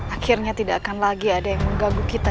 akhirnya tidak akan lagi ada yang mengganggu kita